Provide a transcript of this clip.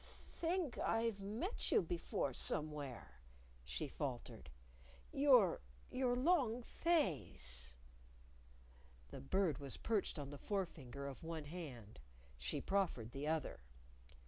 "I think I've met you before somewhere," she faltered. "Your your long face " The Bird was perched on the forefinger of one hand. She proffered the other.